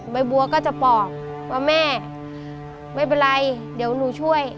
ใบบัวก็จะบอกว่าแม่ไม่เป็นไรเดี๋ยวหนูช่วย